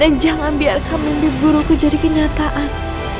dan jangan biarkan membiruku jadi kenyataan